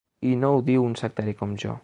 I no ho diu un sectari com jo.